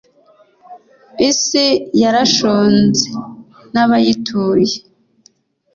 Isi yarashonze n abayituye